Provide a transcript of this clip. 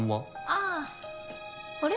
あぁあれ？